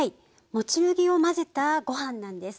もち麦を混ぜたご飯なんです。